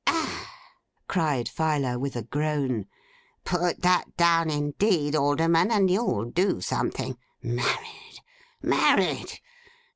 'Ah!' cried Filer, with a groan. 'Put that down indeed, Alderman, and you'll do something. Married! Married!!